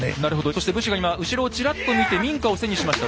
そして武士が今後ろをちらっと見て民家を背にしました。